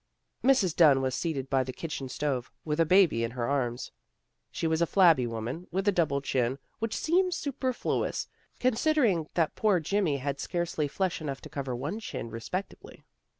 Mrs. Dunn was seated by the kitchen stove, with a baby in her arms. She was a flabby woman, with a double chin, which seemed su perfluous, considering that poor Jimmy had scarcely flesh enough to cover one chin re spectably.